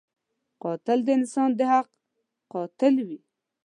قاتل د انسان د حق قاتل وي